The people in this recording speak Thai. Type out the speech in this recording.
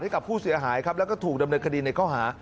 ให้กับผู้เสียหายครับแล้วก็ถูกดำเนินคดีในข้อหา